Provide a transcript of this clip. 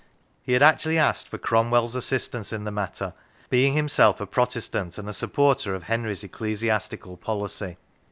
He had actually asked for Cromwell's assistance in the matter, being himself a Protestant and a supporter of Henry's ecclesiastical policy.